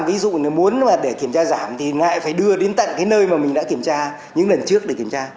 ví dụ muốn để kiểm tra giảm thì lại phải đưa đến tận cái nơi mà mình đã kiểm tra những lần trước để kiểm tra